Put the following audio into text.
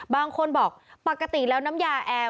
บางคนบอกปกติแล้วน้ำยาแอร์